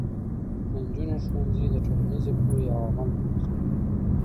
د نجونو ښوونځي د ټولنیزې پوهې او عمل مرکزونه دي.